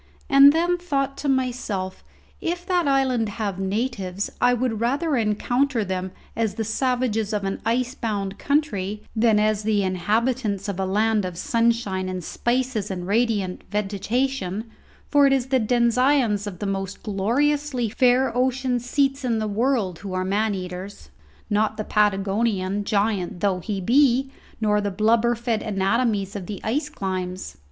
And then thought to myself, if that island have natives, I would rather encounter them as the savages of an ice bound country than as the inhabitants of a land of sunshine and spices and radiant vegetation; for it is the denizens of the most gloriously fair ocean seats in the world who are man eaters; not the Patagonian, giant though he be, nor the blubber fed anatomies of the ice climes.